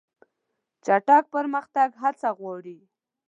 چټک پرمختګ هڅه غواړي.